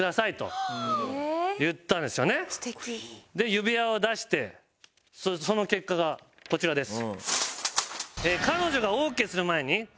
指輪を出してその結果がこちらです。